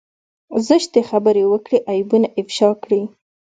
زشتې خبرې وکړي عيبونه افشا کړي.